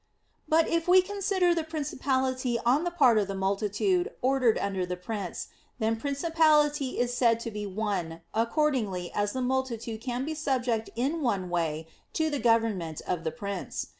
But if we consider the principality on the part of the multitude ordered under the prince, then principality is said to be "one" accordingly as the multitude can be subject in one way to the government of the prince.